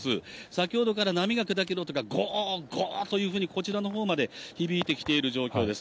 先ほどから波が砕ける音が、ごー、ごーというふうに、こちらのほうまで響いてきている状況です。